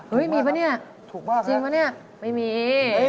เห้ยมีป่ะนี่จริงป่ะนี่ไม่มีครับถูกบ้างครับ